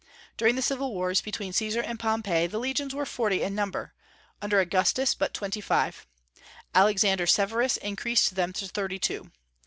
During the civil wars between Caesar and Pompey the legions were forty in number; under Augustus, but twenty five. Alexander Severus increased them to thirty two.